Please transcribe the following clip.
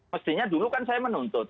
mestinya dulu kan saya menuntut